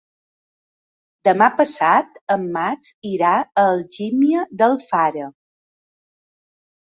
Demà passat en Max irà a Algímia d'Alfara.